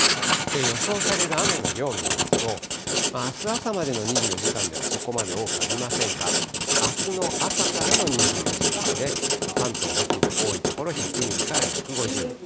予想される雨の量見ますと、あす朝までの２４時間ではそこまで多くありませんが、あすの朝からの２４時間で、関東北部、多い所１００ミリから１５０ミリ。